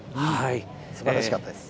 すばらしかったです。